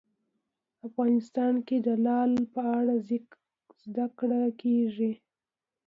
افغانستان کې د لعل په اړه زده کړه کېږي.